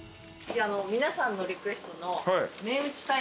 皆さんのリクエストの。